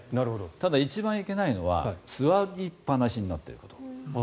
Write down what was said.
ただ、一番いけないのは座りっぱなしになっていること。